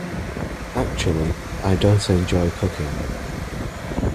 Actually, I don't enjoy cooking.